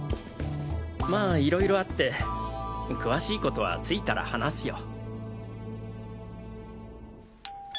まあいろいろあって詳しいことは着いたら話すよ。